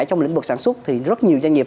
trong lĩnh vực sản xuất thì rất nhiều doanh nghiệp